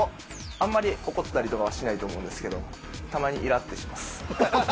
あんまり怒ったりとかはしないと思うんですけど、たまにイラっとします。